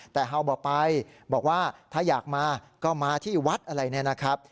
แต่เฮาวบอกไปบอกว่าถ้าอยากมาก็มาที่วัดอะไรเนี่ยนะครับ